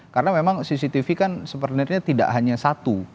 karena memang cctv kan sepertinya tidak hanya satu